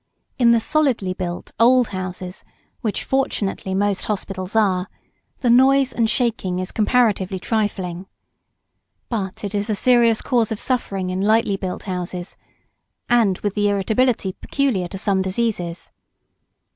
In the solidly built old houses, which, fortunately, most hospitals are, the noise and shaking is comparatively trifling. But it is a serious cause of suffering, in lightly built houses, and with the irritability peculiar to some diseases.